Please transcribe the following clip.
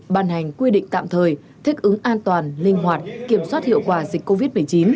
ban hành quy định tạm thời thích ứng an toàn linh hoạt kiểm soát hiệu quả dịch covid một mươi chín